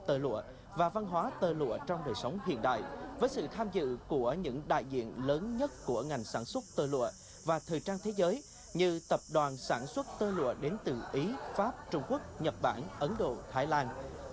hội thảo ứng dụng khoa học công nghệ trong sản xuất giao tầm tơ lụa trong đời sống hiện đại với sự tham dự của những đại diện lớn nhất của ngành sản xuất tơ lụa và thời trang thế giới như tập đoàn sản xuất tơ lụa đến từ ý pháp trung quốc nhật bản ấn độ thái lan